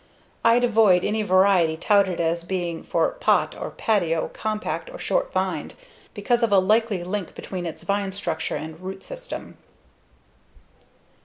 I'd avoid any variety touted as being for pot or patio, compact, or short vined, because of a likely linkage between its vine structure and root system.